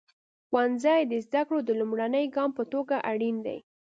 ښوونځی د زده کړو د لومړني ګام په توګه اړین دی.